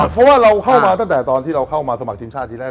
เพราะว่าเราเข้ามาตั้งแต่ตอนที่เราเข้ามาสมัครทีมชาติทีแรก